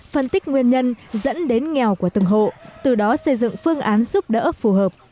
phân tích nguyên nhân dẫn đến nghèo của từng hộ từ đó xây dựng phương án giúp đỡ phù hợp